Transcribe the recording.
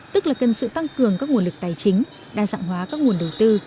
tức là cần sự tăng cường các nguồn lực tài chính đa dạng hóa các nguồn đầu tư